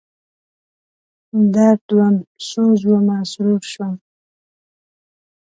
درد وم، سوز ومه، سرور شوم